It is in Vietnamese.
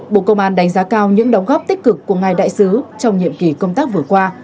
bộ công an đánh giá cao những đóng góp tích cực của ngài đại sứ trong nhiệm kỳ công tác vừa qua